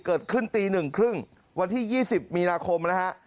เกิดขึ้นตีหนึ่งครึ่งวันที่๒๐มีนาคมนะฮะ